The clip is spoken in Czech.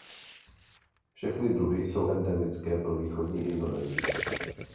Všechny druhy jsou endemické pro východní Indonésii.